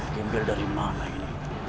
tembil dari mana ini